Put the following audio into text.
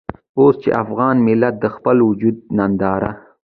اوس چې افغان ملت د خپل وجود ننداره.